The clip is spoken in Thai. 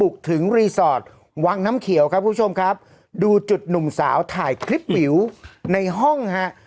ครับผู้ชมครับดูจุดหนุ่มสาวถ่ายคลิปผิวในห้องฮะ